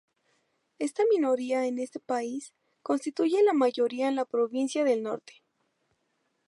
Esta minoría en este país, constituye la mayoría en la provincia del norte.